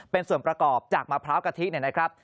เป็นส่วนประกอบจากมะพร้าวกะทิเนี่ยนะครับ